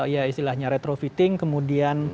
ya istilahnya retrofitting kemudian